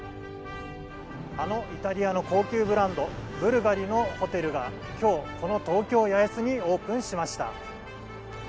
あのイタリアの高級ブランド、ブルガリのホテルが今日、東京・八重洲にオープンしました。